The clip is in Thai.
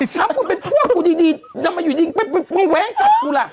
น้องกุนเป็นพวกกูดีนั่นมาอยู่ดีมาไว้ว้างกับกูล่ะ